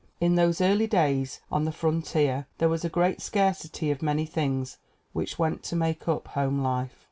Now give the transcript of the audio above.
In those early days on the frontier there was a great scarcity of many things which went to make up home life.